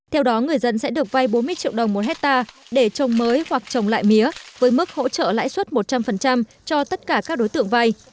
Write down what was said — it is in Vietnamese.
theo đó người dân sẽ được vay bốn mươi triệu đồng một hectare để trồng mới hoặc trồng lại mía với mức hỗ trợ lãi suất một trăm linh cho tất cả các đối tượng vay